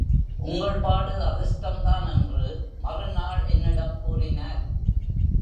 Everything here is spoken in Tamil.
உங்கள் பாடு அதிர்ஷ்டம்தான் என்று மறுநாள் என்னிடம் கூறினார்.